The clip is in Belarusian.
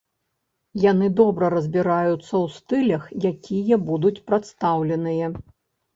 Яны добра разбіраюцца ў стылях, якія будуць прадстаўленыя.